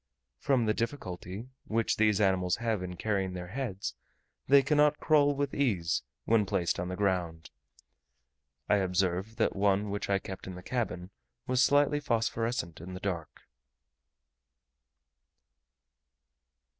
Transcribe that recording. From the difficulty which these animals have in carrying their heads, they cannot crawl with ease when placed on the ground. I observed that one which I kept in the cabin was slightly phosphorescent in the dark.